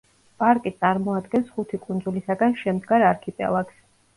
პარკი წარმოადგენს ხუთი კუნძულისაგან შემდგარ არქიპელაგს.